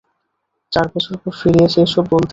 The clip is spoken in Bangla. চার বছর পর ফিরে এসে এসব বলতে?